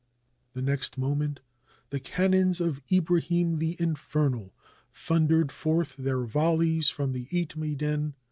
The next moment the cannons of Ibrahim the In fernal thundered forth their volleys from the Etmeidan.